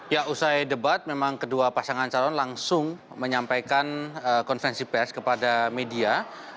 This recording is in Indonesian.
ya usai debat memang kedua pasangan calon langsung menyampaikan konvensi pes kepada media